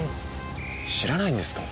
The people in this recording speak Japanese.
知らないんですか？